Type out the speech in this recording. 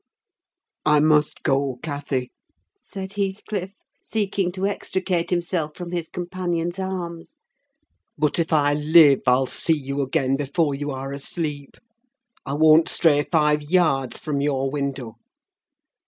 "I must go, Cathy," said Heathcliff, seeking to extricate himself from his companion's arms. "But if I live, I'll see you again before you are asleep. I won't stray five yards from your window."